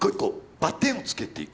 バッテンをつけていく。